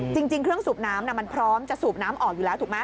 จริงเครื่องสูบน้ำมันพร้อมจะสูบน้ำออกอยู่แล้วถูกไหม